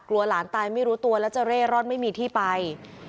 หลานตายไม่รู้ตัวแล้วจะเร่ร่อนไม่มีที่ไป